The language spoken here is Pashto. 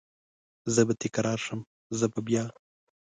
زه به تکرار شم، زه به بیا،